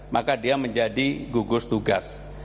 maka dia menjadi gugus tugas